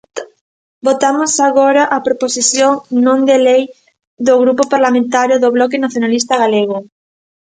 Votamos agora a Proposición non de lei do Grupo Parlamentario do Bloque Nacionalista Galego.